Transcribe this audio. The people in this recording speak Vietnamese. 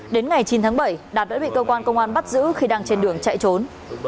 đến ngày chín tháng bảy đạt đã bị cơ quan công an bắt giữ khi đang trên đường chạy trốn